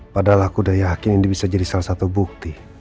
padahal aku udah yakin ini bisa jadi salah satu bukti